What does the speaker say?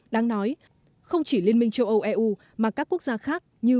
đáng nói không chỉ liên minh châu âu eu mà các quốc gia khác như